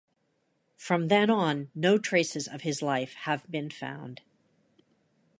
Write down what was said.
From then on no traces of his life have been found.